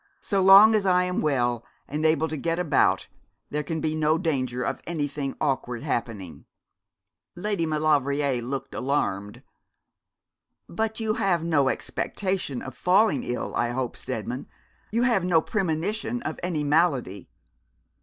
So long as I am well and able to get about there can be no danger of anything awkward happening.' Lady Maulevrier looked alarmed. 'But you have no expectation of falling ill, I hope, Steadman; you have no premonition of any malady?'